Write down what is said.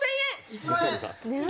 １万円！